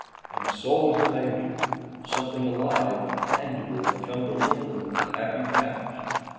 And so was the Major. Something alive and tangible had come to link them with the happy past.